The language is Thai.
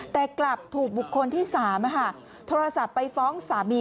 แต่กลับถูกบุคคลที่๓โทรศัพท์ไปฟ้องสามี